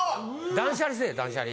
断捨離！